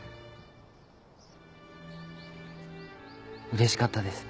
うれしかったです。